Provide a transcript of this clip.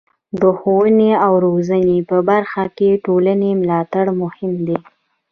د ښوونې او روزنې په برخه کې د ټولنې ملاتړ مهم دی.